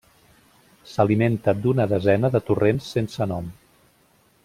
S'alimenta d'una desena de torrents sense nom.